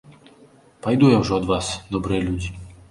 Пайду я ўжо ад вас, добрыя людзі.